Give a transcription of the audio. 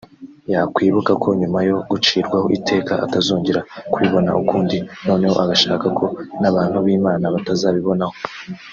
yakwibuka ko nyuma yo gucirwaho iteka atazongera kubibona ukundi noneho agashaka ko n’abantu b’Imana batazabibonaho